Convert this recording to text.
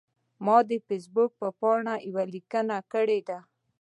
ما د فیسبوک په پاڼه یوه لیکنه کړې ده.